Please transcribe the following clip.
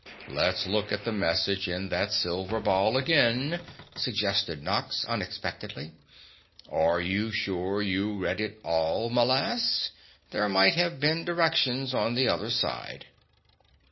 "Let's look at the message in that silver ball again," suggested Nox unexpectedly. "Are you sure you read it all, m'lass? There might have been directions on the other side."